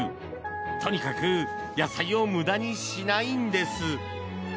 とにかく野菜を無駄にしないんです。